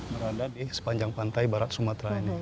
berada di sepanjang pantai barat sumatera ini